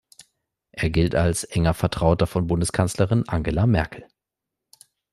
Er gilt als enger Vertrauter von Bundeskanzlerin Angela Merkel.